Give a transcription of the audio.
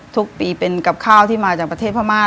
ทุกปีเป็นกับข้าวที่มาจากประเทศพม่า